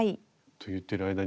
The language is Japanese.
と言っている間に。